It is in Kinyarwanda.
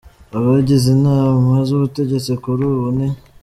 Abagize Inama z’Ubutegetsi kuri ubu ni:.